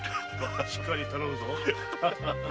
しっかり頼むぞ。